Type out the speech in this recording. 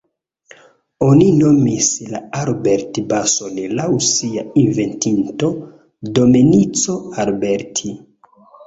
Oni nomis la Alberti-bason laŭ sia inventinto Domenico Alberti.